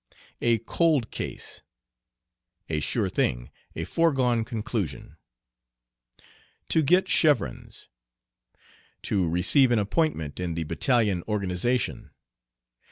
"A cold case." A sure thing, a foregone conclusion. To "get chevrons." To receive an appointment in the battalion organization.